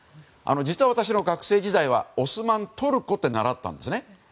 実は私の学生時代はオスマントルコって習ったんですね。